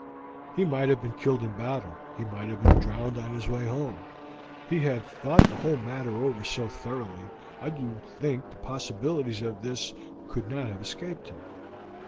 "He might have been killed in battle; he might have been drowned on his way home. He had thought the whole matter over so thoroughly, I do think the possibilities of this could not have escaped him.